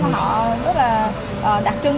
rất là đặc trưng